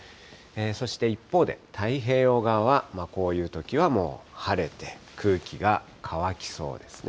そして一方で、太平洋側はこういうときはもう晴れて、空気が乾きそうですね。